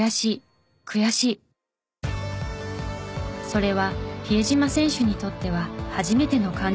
それは比江島選手にとっては初めての感情。